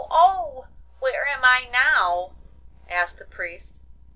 oh! Where am I now?' asked the Priest.